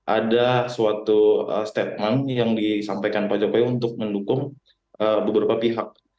ada suatu statement yang disampaikan pak jokowi untuk mendukung beberapa pihak